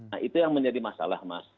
nah itu yang menjadi masalah mas